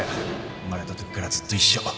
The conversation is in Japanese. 生まれたときからずっと一緒